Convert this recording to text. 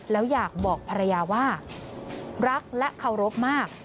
แล้วอยากบอกภรรยาว่ารักและเคารพมาก